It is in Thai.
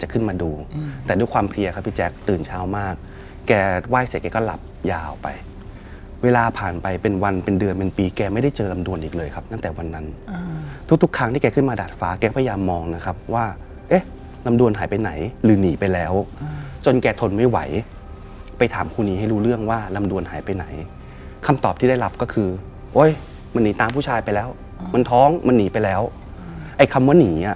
แกไหว้เสร็จแกก็หลับยาวไปเวลาผ่านไปเป็นวันเป็นเดือนเป็นปีแกไม่ได้เจอลำดวนอีกเลยครับตั้งแต่วันนั้นทุกครั้งที่แกขึ้นมาดาดฟ้าแกพยายามมองนะครับว่าเอ๊ะลำดวนหายไปไหนหรือหนีไปแล้วจนแกทนไม่ไหวไปถามครูนีให้รู้เรื่องว่าลำดวนหายไปไหนคำตอบที่ได้รับก็คือโอ้ยมันหนีตามผู้ชายไปแล้วมันท้องมั